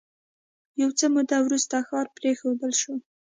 یو څه موده وروسته ښار پرېښودل شو